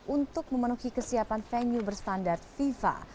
untuk memenuhi kesiapan venue berstandar fifa